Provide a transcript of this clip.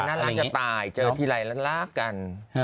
เจอนั่นรักจะตายเจอทีไรรักกัน